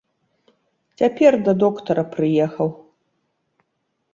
Цяпер да доктара прыехаў.